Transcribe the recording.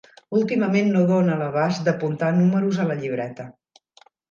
Últimament no dóna l'abast d'apuntar números a la llibreta.